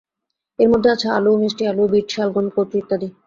এর মধ্যে আছে আলু, মিষ্টি আলু, বিট, শালগম, কচু ইত্যাদি।